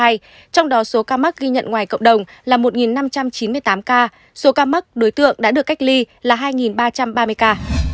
trong đó số ca mắc ghi nhận ngoài cộng đồng là một năm trăm chín mươi tám ca số ca mắc đối tượng đã được cách ly là hai ba trăm ba mươi ca